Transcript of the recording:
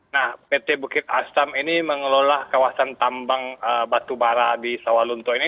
nah pt bukit astam ini mengelola kawasan tambang batubara di sawalunto ini